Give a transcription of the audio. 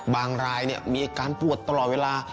บางรายมีอาการปวดตลอดเวลา